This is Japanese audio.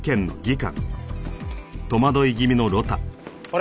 あれ？